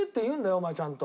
お前ちゃんと。